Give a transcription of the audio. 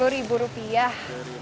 sepuluh ribu rupiah